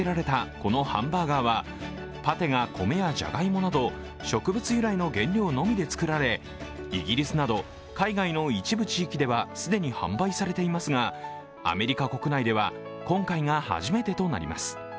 このハンバーガーはパテが米やじゃがいもなど植物由来の原料のみで作られイギリスなど海外の一部地域では既に販売されていますがアメリカ国内では今回が初めてとなります。